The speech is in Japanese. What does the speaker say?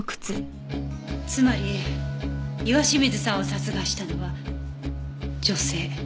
つまり岩清水さんを殺害したのは女性。